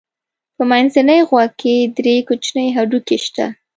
په منځني غوږ کې درې کوچني هډوکي شته.